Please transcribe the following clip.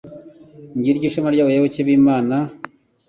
Ngiryo ishema ry’abayoboke b’Imana